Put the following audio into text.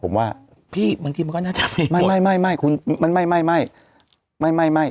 ผมว่าพี่บางทีมันก็น่าจะไม่ไม่ไม่คุณไม่ไม่ไม่ไม่